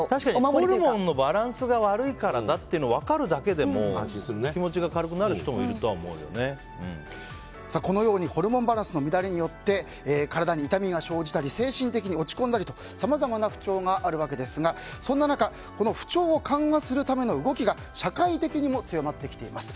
ホルモンのバランスが悪いからだって分かるだけでも気持ちが軽くなる人もこのようにホルモンバランスの乱れによって体に痛みが生じたり精神的に落ち込んだりとさまざまな不調があるわけですがそんな中不調を緩和するための動きが社会的にも強まってきています。